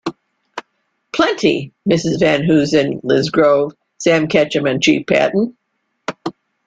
Plenty, Mrs. Van Hoosen, Lizz Grove, Sam Catchem and Chief Patton.